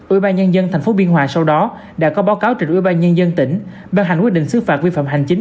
ubnd tp biên hòa sau đó đã có báo cáo trên ubnd tỉnh bàn hành quyết định xứ phạm vi phạm hành chính